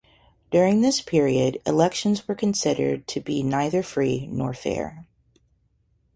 During this period elections were considered to be neither free nor fair.